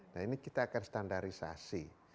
nah ini kita akan standarisasi